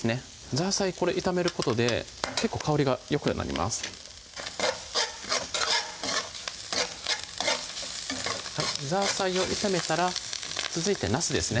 ザーサイこれ炒めることで結構香りがよくなりますザーサイを炒めたら続いてなすですね